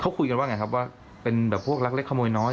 เขาคุยกันว่าไงครับว่าเป็นแบบพวกรักเล็กขโมยน้อย